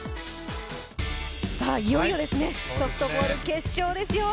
いよいよですねソフトボール決勝ですよ。